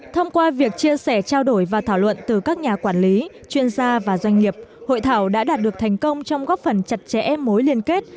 thông qua việc chia sẻ trao đổi và thảo luận từ các nhà quản lý chuyên gia và doanh nghiệp hội thảo đã đạt được thành công trong góp phần chặt chẽ mối liên kết